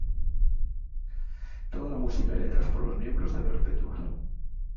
Toda la música y letras por los miembros de Perpetual.